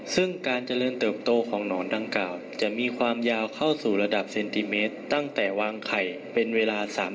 ซึ่งการเจริญเติบโตของหนอนดังกล่าวจะมีความยาวเข้าสู่ระดับเซนติเมตรตั้งแต่วางไข่เป็นเวลา๓นาที